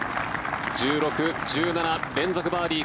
１６、１７連続バーディー。